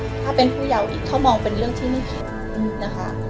ถ้าเป็นผู้เยาว์อีกถ้ามองเป็นเรื่องที่ไม่ผิดนะคะ